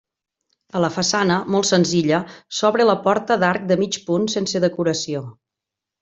A la façana, molt senzilla, s'obre la porta d'arc de mig punt sense decoració.